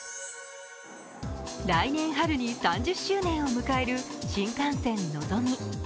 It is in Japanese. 来年春に３０周年を迎える新幹線のぞみ。